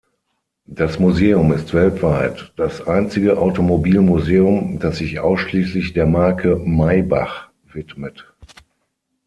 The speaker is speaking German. Das Museum ist weltweit das einzige Automobilmuseum, das sich ausschließlich der Marke Maybach widmet.